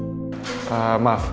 saya pemilihan dia